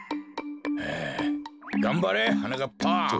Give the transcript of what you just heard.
がんばれはなかっぱ。